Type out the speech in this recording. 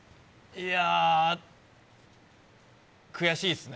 いやー、悔しいですね。